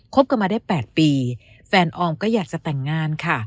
บกันมาได้๘ปีแฟนออมก็อยากจะแต่งงานค่ะ